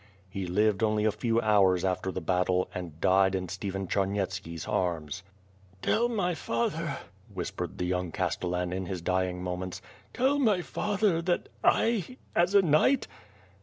He lived only a few houi s after the battle and died in Stephen Charnyet ski's arms. "Tell my father," whis})ered the young Ciistollan in his dying moments, "Tell my father that I ... as a knight